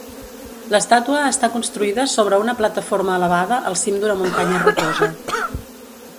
L'estàtua està construïda sobre una plataforma elevada al cim d'una muntanya rocosa.